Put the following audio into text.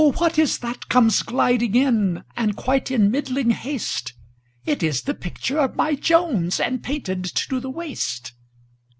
what is that comes gliding in, And quite in middling haste? It is the picture of my Jones, And painted to the waist.